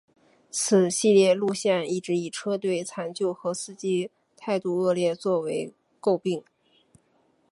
此系列路线一直以车队残旧和司机态度恶劣作为垢病。